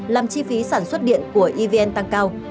làm chi phí sản xuất điện của evn tăng cao